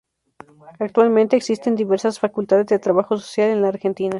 Actualmente existen diversas Facultades de Trabajo Social en la Argentina.